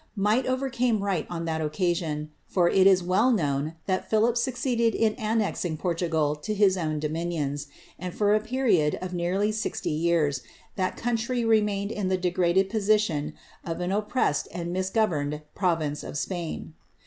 Might overcame right on that occasion, ell known that Philip succeeded in annexing Portugal to his nions ; and, for a period of nearly sixty years, that country 1 the degraded position of an oppressed and misgoverned pro aiD.